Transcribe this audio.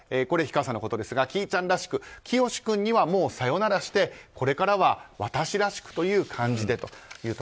これは氷川さんのことですがＫｉｉちゃんらしくきよし君にはもうさよならしてこれからは私らしくという感じで。